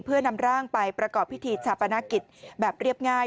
เพื่อนำร่างไปประกอบพิธีชาปนกิจแบบเรียบง่าย